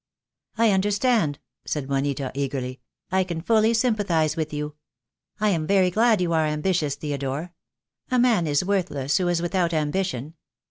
"I understand," said Juanita, eagerly. "I can fully sympathize with you. I am very glad you are ambitious, Theodore. A man is worthless who is without ambition.